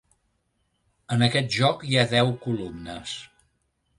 En aquest joc hi ha deu columnes.